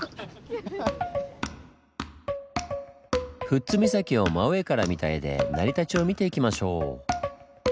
富津岬を真上から見た絵で成り立ちを見ていきましょう！